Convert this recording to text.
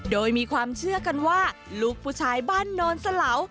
โดยมีความเชื่อกันว่าลูกผู้ชายบ้านโนนสะเหลา